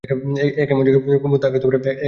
এ কেমন জায়গায় কুমুদ তাহাকে একা ফেলিয়া রাখিয়া গেল?